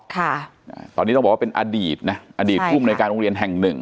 ค่ะอ่าตอนนี้ต้องบอกว่าเป็นอดีตนะอดีตภูมิในการโรงเรียนแห่งหนึ่ง